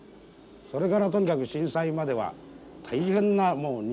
それからとにかく震災までは大変な人気でしたからね。